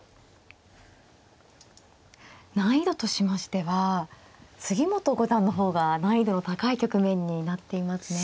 難易度としましては杉本五段の方が難易度の高い局面になっていますね。